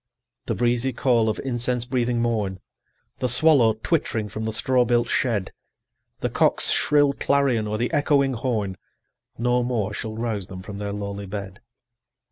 The breezy call of incense breathing morn, The swallow twittering from the straw built shed, The cock's shrill clarion, or the echoing horn, No more shall rouse them from their lowly bed.